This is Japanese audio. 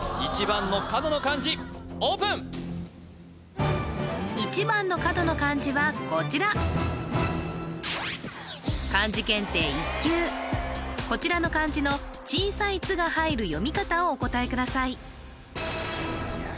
１番の角の漢字オープン１番の角の漢字はこちらこちらの漢字の小さい「つ」が入る読み方をお答えくださいいや